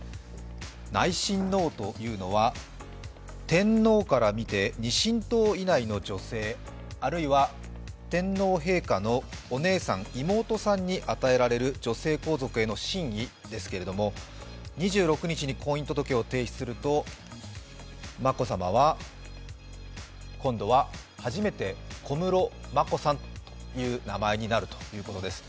内親王というのは、天皇から見て２親等以内の女性、あるいは天皇陛下のお姉さん、妹さんに与えられる女性皇族の親位ですが２６日に婚姻届を提出すると、眞子さまは今度は初めて小室眞子さんという名前になるということです。